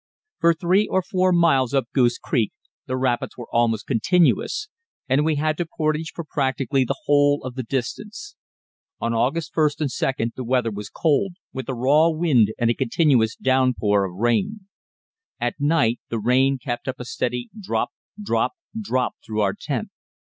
For three or four miles up Goose Creek the rapids were almost continuous, and we had to portage for practically the whole of the distance. On August 1st and 2d the weather was cold, with a raw wind and a continuous downpour of rain. At night the rain kept up a steady drop, drop, drop through our tent.